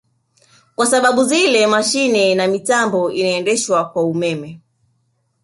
Kwa sababu zile mashine na mitambo inaendeshwa kwa ummeme